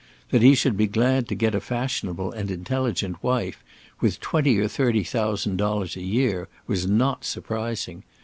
That he should be glad to get a fashionable and intelligent wife, with twenty or thirty thousand dollars a year, was not surprising.